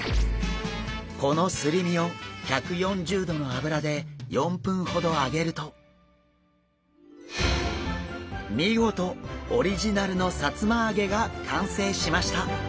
このすり身を１４０度の油で４分ほど揚げると見事オリジナルのさつま揚げが完成しました！